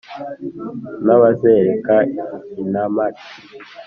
n’ abazereka intamati,